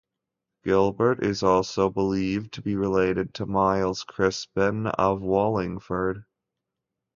Gilbert is also believed to be related to Miles Crispin of Wallingford.